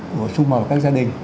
của chung mở các gia đình